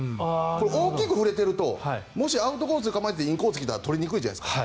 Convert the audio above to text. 大きく振れているとアウトコースに構えていてインコースに来たらとりにくいじゃないですか。